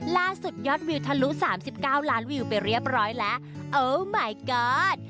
ล่าสุดยอดวิวทะลุ๓๙ล้านวิวไปเรียบร้อยแล้วโอ้มายก็อด